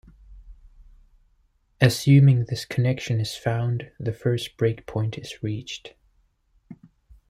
Assuming this connection is found, the first breakpoint is reached.